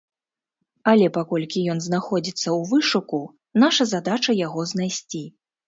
Але паколькі ён знаходзіцца ў вышуку, наша задача яго знайсці.